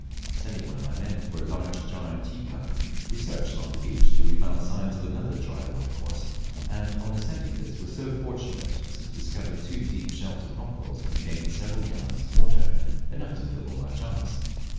Sending one of my men for a large jar and teacup, we searched along the beach till we found signs of another dry watercourse, and on ascending this were so fortunate as to discover two deep sheltered rock holes containing several gallons of water, enough to fill all our jars.